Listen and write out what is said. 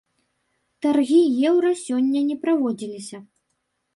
Таргі еўра сёння не праводзіліся.